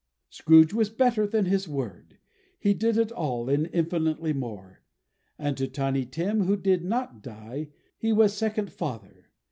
Scrooge was better than his word. He did it all, and infinitely more; and to Tiny Tim, who did NOT die, he was second father.